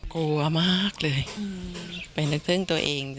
กลัวมากเลยไปนึกถึงตัวเอง